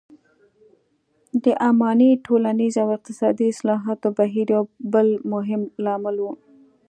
د اماني ټولنیز او اقتصادي اصلاحاتو بهیر یو بل مهم لامل و.